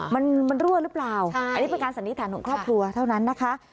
มันมันรั่วหรือเปล่าอันนี้เป็นการสันนิษฐานของครอบครัวเท่านั้นนะคะ